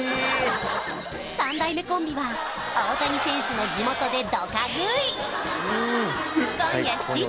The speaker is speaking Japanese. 三代目コンビは大谷選手の地元でドカ食い今夜７時